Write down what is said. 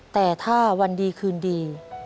แต่ถ้าวันดีคืนดี